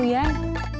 aduh sial ey